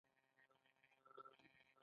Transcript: د کیلې پوستکي د غاښونو لپاره دي.